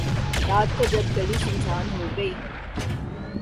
رات کو جب گلی سنسان ہو گئی